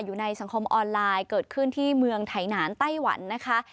อยู่ในสังคมออนไลน์เกิดขึ้นที่เมืองไถหนานไต้หวันนะคะ